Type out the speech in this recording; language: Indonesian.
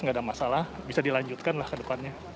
nggak ada masalah bisa dilanjutkan lah ke depannya